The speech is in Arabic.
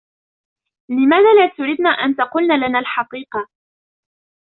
لماذا لا تردن أن تقلن لنا الحقيقة؟